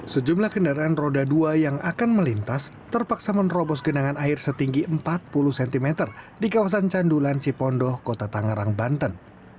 sejumlah kendaraan roda dua yang akan melintas terpaksa menerobos genangan air setinggi empat puluh cm di kawasan candulan cipondoh kota tangerang banten